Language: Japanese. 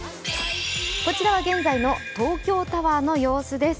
こちらは現在の東京タワーの様子です。